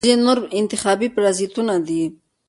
ځینې نور انتخابي پرازیتونه دي.